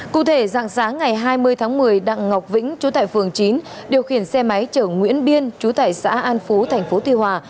cụ thể dạng sáng ngày hai mươi tháng một mươi đặng ngọc vĩnh chú tại phường chín điều khiển xe máy chở nguyễn biên chú tải xã an phú thành phố tuy hòa